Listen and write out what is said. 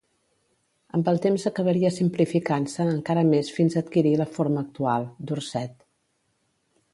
Amb el temps acabaria simplificant-se encara més fins a adquirir la forma actual, Dorset.